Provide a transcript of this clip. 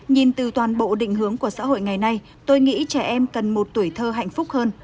nhìn từ toàn bộ định hướng của xã hội ngày nay tôi nghĩ trẻ em cần một tuổi thơ hạnh phúc hơn